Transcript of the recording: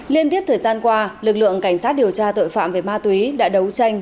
liên tiếp thời gian qua lực lượng cảnh sát điều tra tội phạm về ma túy đã đấu tranh